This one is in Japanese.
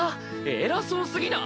偉そうすぎない？